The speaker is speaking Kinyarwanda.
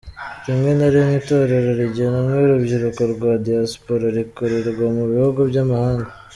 Rimwe na rimwe itorero rigenewe urubyiruko rwa diyasipora rikorerwa mu bihugu by’amahanga.